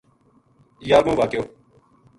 یارووں واقعو